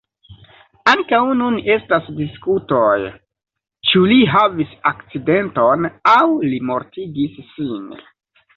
Ankaŭ nun estas diskutoj, ĉu li havis akcidenton, aŭ li mortigis sin?